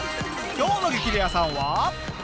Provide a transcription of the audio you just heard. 今日の『激レアさん』は。